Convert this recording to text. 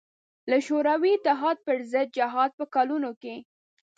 له شوروي اتحاد پر ضد جهاد په کلونو کې.